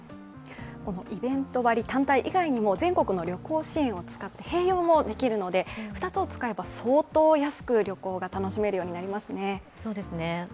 イベント割単体以外にも全国の旅行支援を使って併用もできるので、２つを使えば相当安く旅行が楽しめるようになりますね。